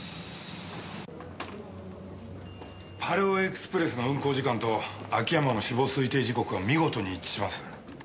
パレオエクスプレスの運行時間と秋山の死亡推定時刻は見事に一致します。